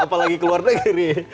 apalagi keluar negeri